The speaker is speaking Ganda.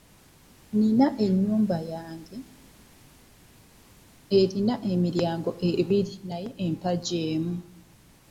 Nnina ennyumba yange erina emiryango ebiri naye empagi emu.